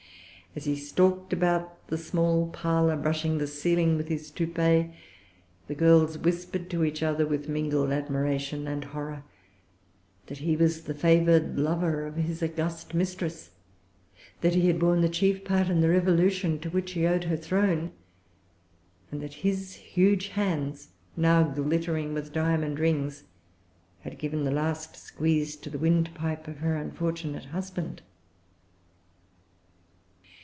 As he stalked about the small parlor, brushing the ceiling with his toupee, the girls whispered to each other, with mingled admiration and horror, that he was the favored lover of his august mistress; that he had borne the chief part in the revolution to which she owed her throne; and that his huge hands, now glittering with diamond rings, had given the last squeeze to the windpipe of her unfortunate husband.